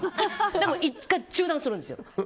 で、１回、中断するんですよ。